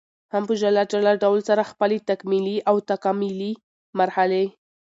هم په جلا جلا ډول سره خپلي تکمیلي او تکاملي مرحلې